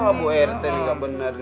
wah bu rt nggak benar